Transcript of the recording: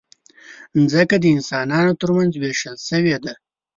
مځکه د انسانانو ترمنځ وېشل شوې ده.